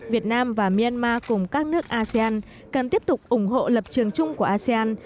việt nam và myanmar cùng các nước asean cần tiếp tục ủng hộ lập trường chung của asean